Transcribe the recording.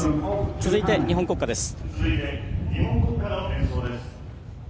続いて日本国歌です。